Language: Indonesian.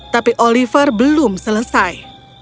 tapi oliver belum selesai